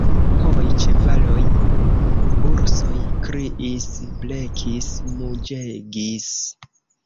Homoj, ĉevaloj, ursoj kriis, blekis, muĝegis.